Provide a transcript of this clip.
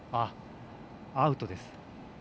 アウトです。